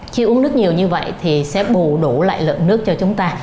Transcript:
khi uống nước nhiều như vậy thì sẽ bù đủ lại lượng nước cho chúng ta